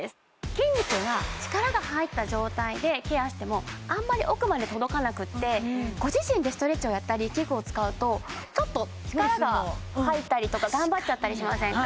筋肉が力が入った状態でケアしてもあんまり奥まで届かなくってご自身でストレッチをやったり器具を使うとちょっと力が入ったりとか頑張っちゃったりしませんか？